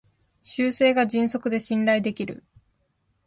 修正が迅速で信頼できる